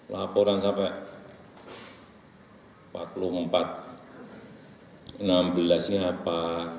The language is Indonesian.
laporan sampai empat puluh empat enam belas nya apa